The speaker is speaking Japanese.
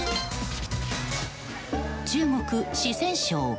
中国・四川省。